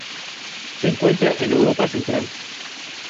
Se encuentra en Europa Central.